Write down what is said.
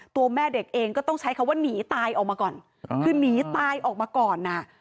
ตัวแม่เด็กเองก็ต้องใช้คำว่าหนีตายออกมาก่อนคือหนีตายออกมาก่อนอ่ะ